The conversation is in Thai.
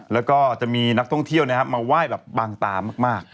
แล้วก็จะมีนักท่องเที่ยวมาไหว้แบบบางตามาก